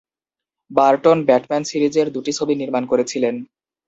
Burton Batman সিরিজের দুটি ছবি নির্মাণ করেছিলেন।